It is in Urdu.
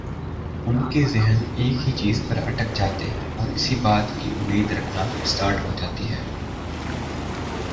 ان کے ذہن ایک ہی چیز پر اٹک جاتے ہیں اور اسی بات کی امید رکھنا اسٹارٹ ہو جاتی ہیں